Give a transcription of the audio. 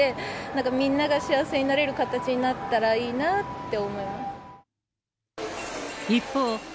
なんかみんなが幸せになれる形になったらいいなって思います。